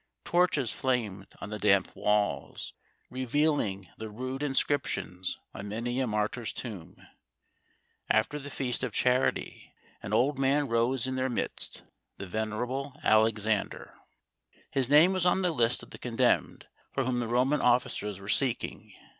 Torches flamed on the damp walls, revealing the rude inscrip tions on many a martyr's tomb. After the Feast of Charity, an old man rose in their midst — the venerable Alexander. 30 IN THE CATACOMBS # CHRISTMAS IN THE CATACOMBS. 33 His name was on the list of the condemned for whom the Roman officers were seeking.